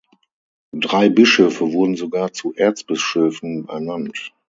Drei Bischöfe wurden sogar zu Erzbischöfen ernannt.